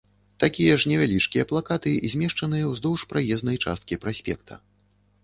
Такія ж невялічкія плакаты змешчаныя ўздоўж праезнай часткі праспекта.